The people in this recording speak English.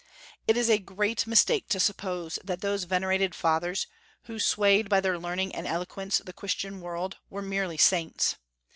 It is a great mistake to suppose that those venerated Fathers, who swayed by their learning and eloquence the Christian world, were merely saints.